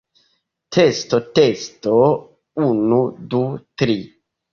Testo testo, unu, du, tri.